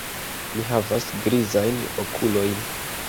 Mi havas grizajn okulojn.